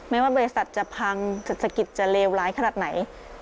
ไม่ว่าบริษัทจะพังเศรษฐกิจจะเลวร้ายขนาดไหน